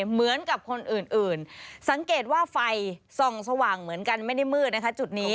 เหมือนกับคนอื่นสังเกตว่าไฟส่องสว่างเหมือนกันไม่ได้มืดนะคะจุดนี้